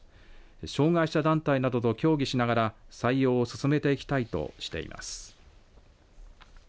障害者団体などと協議しながら採用を進めていきたいとしています。